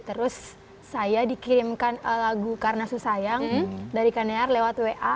terus saya dikirimkan lagu karena susayang dari kaniar lewat wa